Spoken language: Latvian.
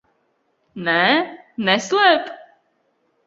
Nē? Neslēpt?